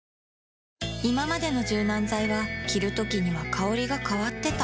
いままでの柔軟剤は着るときには香りが変わってた